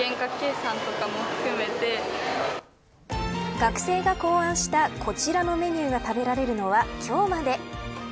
学生が考案したこちらのメニューが食べられるのは今日まで。